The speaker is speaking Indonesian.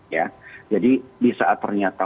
ya jadi di saat ternyata